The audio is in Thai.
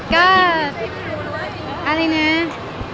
มาทับใจตัวไหนอะไรอย่างนี้